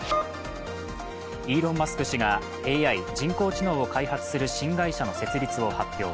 イーロン・マスク氏がＡＩ＝人工知能を開発する新会社の設立を発表。